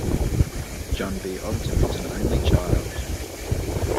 John B. Ogden was an only child.